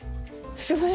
すごい。